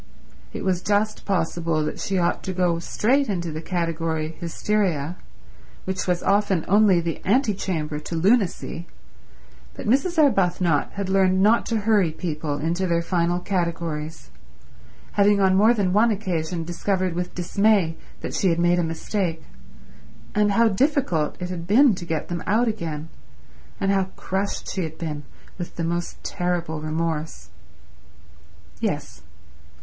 It was just possible that she ought to go straight into the category Hysteria, which was often only the antechamber to Lunacy, but Mrs. Arbuthnot had learned not to hurry people into their final categories, having on more than one occasion discovered with dismay that she had made a mistake; and how difficult it had been to get them out again, and how crushed she had been with the most terrible remorse. Yes.